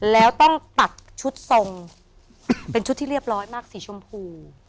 แล้วต้องตัดชุดทรงเป็นชุดที่เรียบร้อยมากสีชมพู